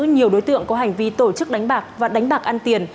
nhiều đối tượng có hành vi tổ chức đánh bạc và đánh bạc ăn tiền